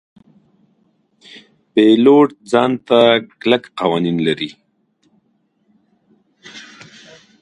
پیلوټ ځان ته کلک قوانین لري.